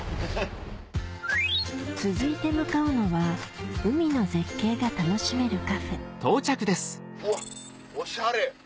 続いて向かうのは海の絶景が楽しめるカフェオシャレ！